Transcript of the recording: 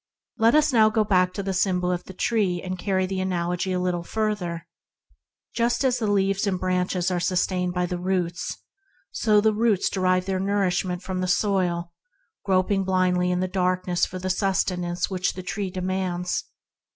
Let us now go back to the symbol of the tree, and carry the analogy a little further. Just as the leaves and the branches are sustained by the roots, so the roots derive their nourishment from the soil, groping in the darkness, yet with assured instinct, for the sustenance which the tree demands.